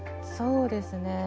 そうですね。